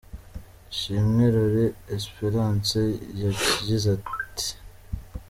Ishimwe Lorie Esperance yakize ate ?.